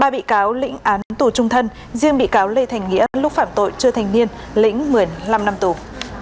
ba bị cáo lĩnh án tù trung thân riêng bị cáo lê thành nghĩa lúc phạm tội chưa thành niên lĩnh một mươi năm năm tù